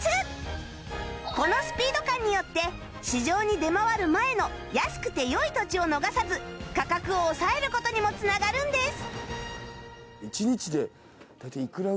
このスピード感によって市場に出回る前の安くて良い土地を逃さず価格を抑える事にも繋がるんです